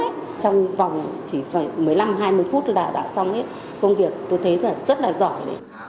trong vòng chỉ một mươi năm hai mươi phút là đã xong công việc tôi thấy là rất là giỏi